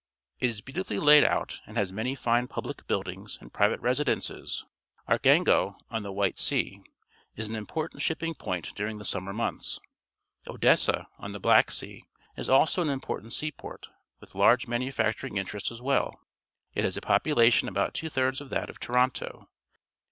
It is beautifully laid out and has many fine public buildings and private residences. Archangel, on the White Sea, is an important shipping point during the summer months. Odessa, on the Black Sea, is also an important seaport, with large manufacturing interests as well. It has a pop ulation about two tliirds of that of Toronto.